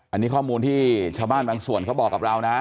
อันนี้ข้อมูลที่ชาวบ้านบางส่วนเขาบอกกับเรานะ